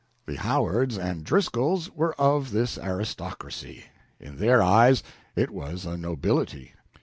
The Howards and Driscolls were of this aristocracy. In their eyes it was a nobility.